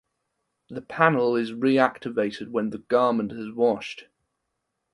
The panel is reactivated when the garment is washed.